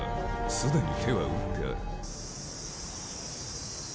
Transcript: すでに手は打ってある。